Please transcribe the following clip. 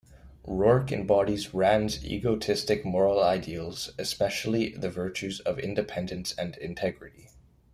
Roark embodies Rand's egoistic moral ideals, especially the virtues of independence and integrity.